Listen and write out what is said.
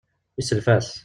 Yesself-as.